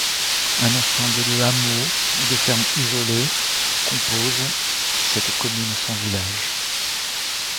Un ensemble de hameaux ou de fermes isolées composent cette commune sans village.